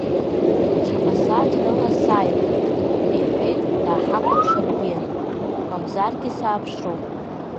Шаҟа сааҭ рыла сааири, — иҳәеит дааҳахәаԥшын Бен, мамзаргьы сааԥшру?